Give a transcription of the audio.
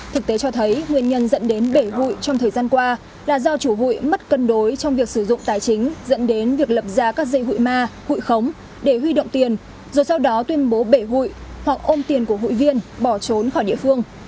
thực tế cho thấy nguyên nhân dẫn đến bể hụi trong thời gian qua là do chủ hụi mất cân đối trong việc sử dụng tài chính dẫn đến việc lập ra các dây hụi ma hụi khống để huy động tiền rồi sau đó tuyên bố bể hụi hoặc ôm tiền của hụi viên bỏ trốn khỏi địa phương